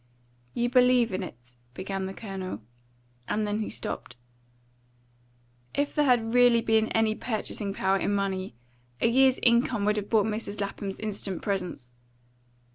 "You believe in it," began the Colonel, and then he stopped. If there had really been any purchasing power in money, a year's income would have bought Mrs. Lapham's instant presence.